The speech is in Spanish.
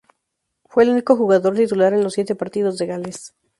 Fue el único jugador titular en los siete partidos de Gales.